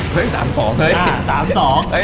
เฮ้ย๓๒เฮ้ย